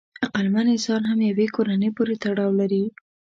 عقلمن انسان هم یوې کورنۍ پورې تړاو لري.